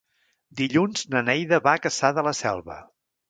Dilluns na Neida va a Cassà de la Selva.